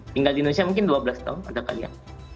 tinggal di indonesia mungkin dua belas tahun atau kali ya